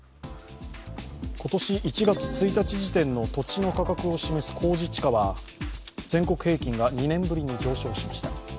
今年１月１日時点の土地の価格を示す公示地価は全国平均が２年ぶりに上昇しました